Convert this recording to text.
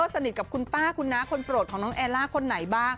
สนิทกับคุณป้าคุณน้าคนโปรดของน้องแอลล่าคนไหนบ้าง